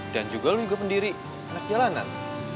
dan juga lo juga pendiri anak jalanan